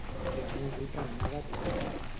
La música anava tocant